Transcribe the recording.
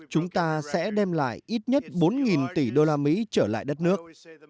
chúng ta sẽ đem lại ít nhất bốn tỷ đô la mỹ trở lại đất nước